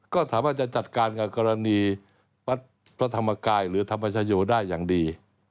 ก็สามารถจะจัดการกับกรณีวัดพระธรรมกายหรือธรรมชโยได้อย่างดี